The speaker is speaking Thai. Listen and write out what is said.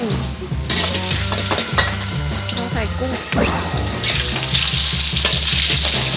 แล้วใส่กุ้ง